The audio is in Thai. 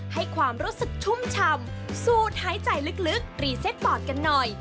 ให้ความรู้สึกชุ่มชำสูดหายใจลึกรีเซตบอดกันหน่อย